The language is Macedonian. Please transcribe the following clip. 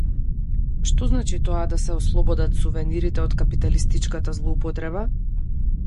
Што значи тоа да се ослободат сувенирите од капиталистичката злоупотреба?